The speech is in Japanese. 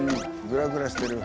グラグラしてる。